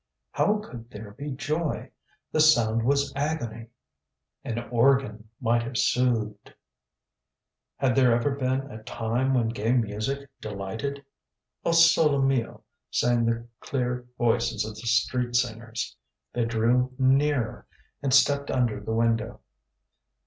HOW could there be joy. The sound was agony. An organ might have soothed. HAD there ever been a time when gay music delighted. O SOLE MIO sang the clear voices of the street singers. They drew nearer and stopped under the window.